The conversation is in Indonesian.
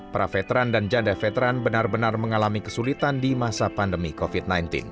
para veteran dan janda veteran benar benar mengalami kesulitan di masa pandemi covid sembilan belas